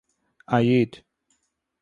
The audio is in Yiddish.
אַ איד